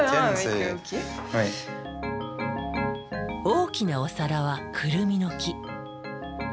大きなお皿はクルミの木。